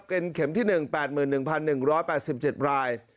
เป็นเข็มที่๑๘๑๑๘๗ราย